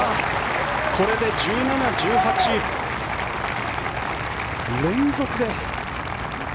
これで１７、１８連続で。